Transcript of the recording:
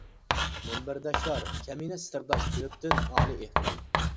مۇنبەرداشلار كەمىنە سىرداش تېۋىپتىن ئالىي ئېھتىرام!